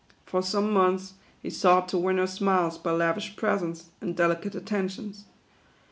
For some months, he sought to win her smiles by lavish presents, and delicate attentions.